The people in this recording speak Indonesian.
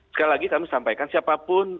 sekali lagi kami sampaikan siapapun